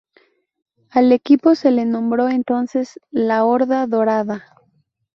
Al equipo se le nombró entonces la "Horda Dorada".